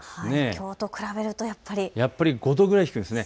きょうと比べると５度くらい低いですね。